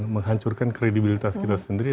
menghancurkan kredibilitas kita sendiri